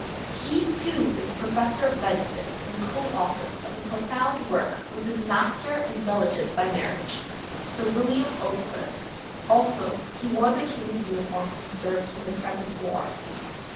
He too is professor of medicine, and co author of a profound work with his master and relative by marriage Sir William Osler. Also, he wore the King's uniform and served in the present war.